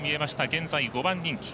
現在５番人気。